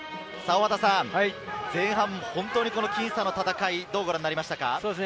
前半、本当に僅差の戦い、どうご覧になりましたか？